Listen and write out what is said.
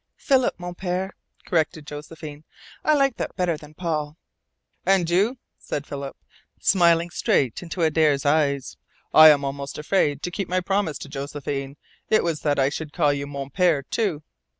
"Philip, Mon Pere," corrected Josephine. "I like that better than Paul." "And you?" said Philip, smiling straight into Adare's eyes. "I am almost afraid to keep my promise to Josephine. It was that I should call you mon pere, too."